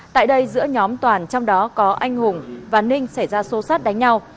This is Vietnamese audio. tại đây giữa nhóm toàn trong đó có anh hùng và ninh xảy ra xô xát đánh nhau